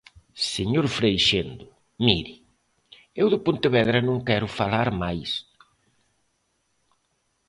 Señor Freixendo, mire, eu de Pontevedra non quero falar máis.